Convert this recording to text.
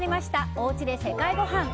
おうちで世界ごはん。